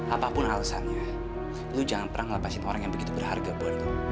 apapun alasannya lu jangan pernah melepaskan orang yang begitu berharga buat lu